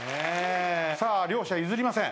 さあ両者譲りません。